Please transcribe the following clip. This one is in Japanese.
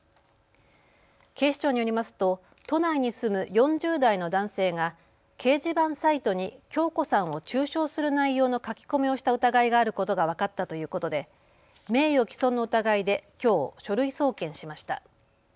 警視庁によりますと都内に住む４０代の男性が掲示板サイトに響子さんを中傷する内容の書き込みをした疑いがあることが分かったということで名誉毀損の疑いできょう書類送検しました。